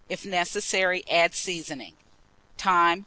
If necessary, add seasoning. Time.